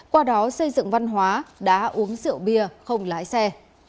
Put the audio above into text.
qua đó xây dựng văn hóa đá uống rượu bia không lái xe